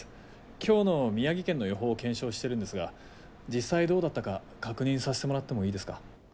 今日の宮城県の予報を検証してるんですが実際どうだったか確認させてもらってもいいですか？